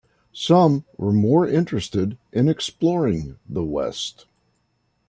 Some were more interested in exploring the West.